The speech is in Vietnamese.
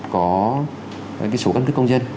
có số căn cức công dân